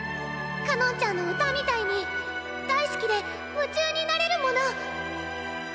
かのんちゃんの歌みたいに大好きで夢中になれるもの！